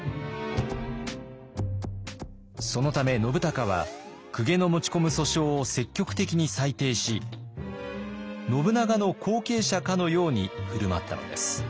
そのため信孝は公家の持ち込む訴訟を積極的に裁定し信長の後継者かのように振る舞ったのです。